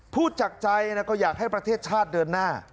พูดจากใจก็อยากให้ประเทศชาติเดินหน้า